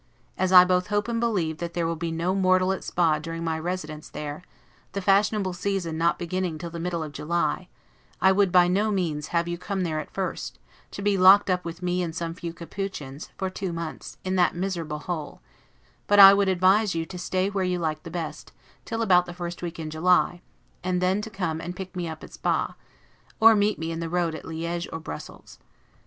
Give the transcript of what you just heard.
As I both hope and believe that there will be no mortal at Spa during my residence there, the fashionable season not beginning till the middle of July, I would by no means have you come there at first, to be locked up with me and some few Capucins, for two months, in that miserable hole; but I would advise you to stay where you like best, till about the first week in July, and then to come and pick me up at Spa, or meet me upon the road at Liege or Brussels.